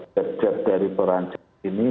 jet jet dari perancis ini